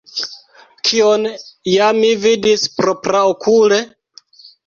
Kion ja mi vidis propraokule?